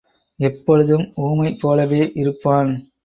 எப்பொழுதும் ஊமை போலவே இருப்பான்.